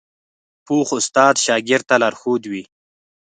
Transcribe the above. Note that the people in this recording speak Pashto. پوخ استاد شاګرد ته لارښود وي